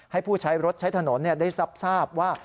ผู้ใช้รถใช้ถนนได้ทราบว่า